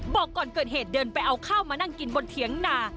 บอกก่อนเกิดเหตุเดินไปเอาข้าวมานั่งกินบนเถียงนา